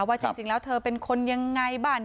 ว่าจริงแล้วเธอเป็นคนยังไงบ้าน